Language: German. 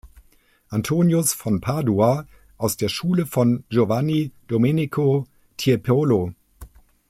Antonius von Padua“ aus der Schule von Giovanni Domenico Tiepolo.